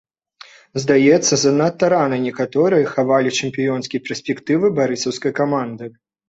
Здаецца, занадта рана некаторыя хавалі чэмпіёнскія перспектывы барысаўскай каманды.